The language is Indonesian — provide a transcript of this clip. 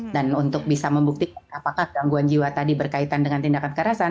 dan untuk bisa membuktikan apakah gangguan jiwa tadi berkaitan dengan tindakan kekerasan